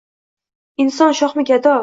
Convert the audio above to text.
Inson shohmi, gado